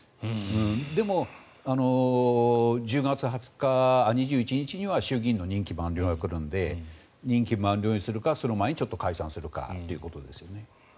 でも、１０月２１日には衆議院の任期満了が来るので任期満了にするかその前に解散するかということですよね。